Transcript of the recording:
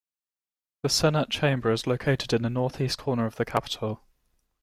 The Senate Chamber is located in the northeast corner of the capitol.